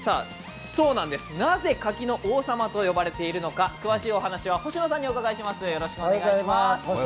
なぜ書きの王様と呼ばれているのか、詳しいお話しは星野さんにお伺いします。